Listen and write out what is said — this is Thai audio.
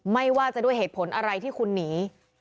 ไม่ว่าจะด้วยเหตุผลอะไรที่คุณหนี